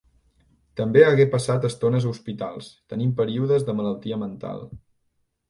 També hagué passat estones a hospitals, tenint períodes de malaltia mental.